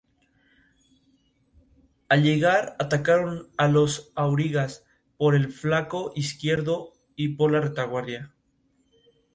El matrimonio se produjo por alianzas políticas.